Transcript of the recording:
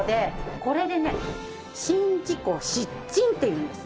これでね宍道湖七珍っていうんです。